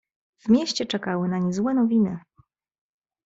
"W mieście czekały nań złe nowiny."